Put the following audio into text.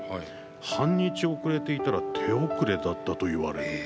半日、遅れていたら手遅れだったと言われる。